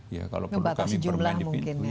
ya kalau perlu kami perbaiki pintu